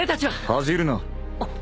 恥じるな。